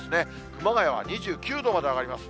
熊谷は２９度まで上がります。